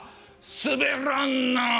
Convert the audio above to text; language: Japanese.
すべらんなあ。